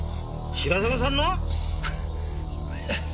白坂さんの！？